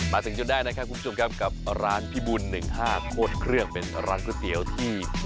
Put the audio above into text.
มาถึงจนได้นะค่ะคุณผู้ชมครับกับร้านพิบุ่น๑๕โค้ดเครื่องเป็นร้านกระเตีียว